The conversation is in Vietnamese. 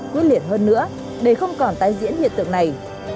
quyết liệt hơn nữa để không còn tái diễn hiện tượng này